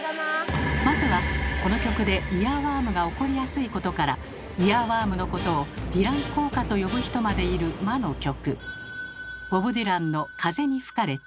まずはこの曲でイヤーワームが起こりやすいことからイヤーワームのことを「ディラン効果」と呼ぶ人までいる魔の曲。